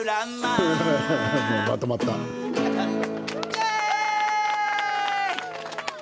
イエーイ！